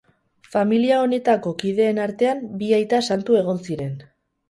Familia honetako kideen artean bi aita santu egon ziren.